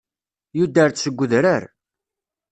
Yuder-d seg udrar.